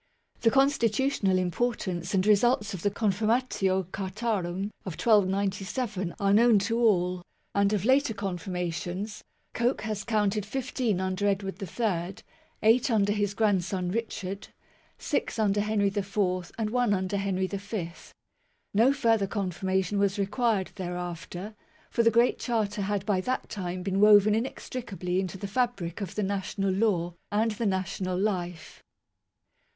The con stitutional importance and results of the "Confirmatio Cartarum" of 1297 are known to all; and of later confirmations, Coke has counted fifteen under Edward III, eight under his grandson Richard, six under Henry IV, and one under Henry V. No further confirmation was required thereafter, for the Great Charter had by that time been woven inextricably into the fabric of the national law and the national life.